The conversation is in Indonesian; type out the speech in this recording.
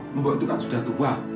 membuatkan sudah tua